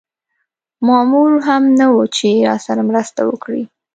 مامور هم نه و چې راسره مرسته وکړي.